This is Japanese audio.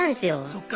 そっか。